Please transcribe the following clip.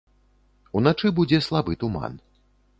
Уначы будзе слабы туман.